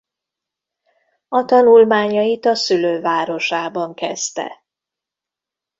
A tanulmányait a szülővárosában kezdte.